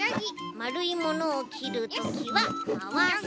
まるいものをきるときはまわす。